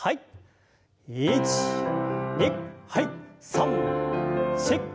３４。